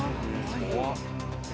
怖っ。